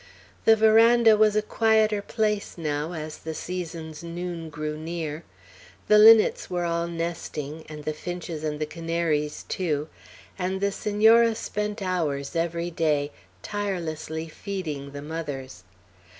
The veranda was a quieter place now as the season's noon grew near. The linnets were all nesting, and the finches and the canaries too; and the Senora spent hours, every day, tirelessly feeding the mothers.